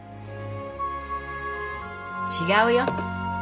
違うよ。